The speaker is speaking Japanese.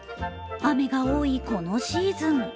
雨が多いこのシーズン。